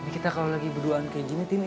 kita kalau lagi berduaan kayak gini